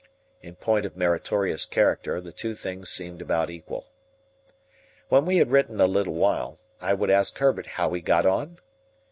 In point of meritorious character, the two things seemed about equal. When we had written a little while, I would ask Herbert how he got on?